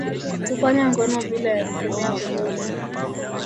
Kufanya ngono bila ya kutumia kondomu